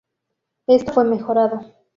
Esto fue mejorado.